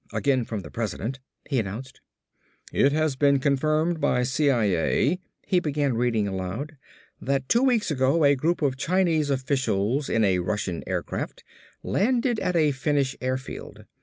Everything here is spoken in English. "Again from the President," he announced. "It has been confirmed by CIA," he began reading aloud, "that two weeks ago a group of Chinese officials in a Russian aircraft landed at a Finnish airfield.